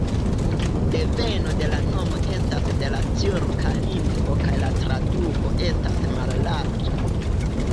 Deveno de la nomo estas de la tjurka lingvo kaj la traduko estas "mallarĝa".